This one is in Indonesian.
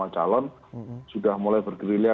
calon sudah mulai bergerilya